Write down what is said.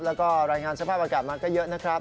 แล้วก็รายงานสภาพอากาศมาก็เยอะนะครับ